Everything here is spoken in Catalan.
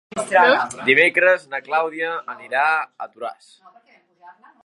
Dimecres na Clàudia anirà a Toràs.